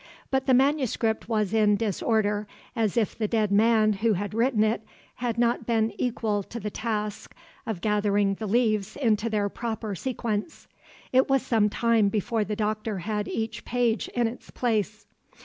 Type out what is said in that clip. But the manuscript was in disorder; as if the dead man who had written it had not been equal to the task of gathering the leaves into their proper sequence; it was some time before the doctor had each page in its place.